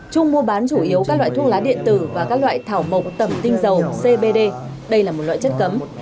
trung mua bán chủ yếu các loại thuốc lá điện tử và các loại thảo mộc tẩm tinh dầu cbd đây là một loại chất cấm